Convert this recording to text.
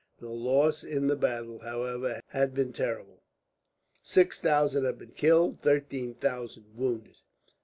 The loss in the battle, however, had been terrible six thousand had been killed, thirteen thousand wounded.